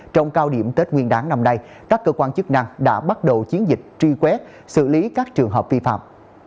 trong cao điểm tết nguyên đáng năm nay các cơ quan chức năng đã bắt đầu chiến dịch truy quét xử lý các trường hợp vi phạm